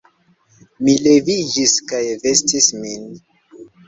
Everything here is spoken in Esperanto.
Mi leviĝis kaj vestis min.